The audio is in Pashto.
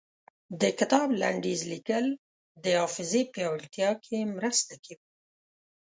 د کتاب لنډيز ليکل د حافظې پياوړتيا کې مرسته کوي.